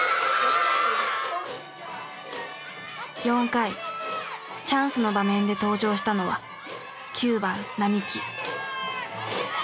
４回チャンスの場面で登場したのは９番並木。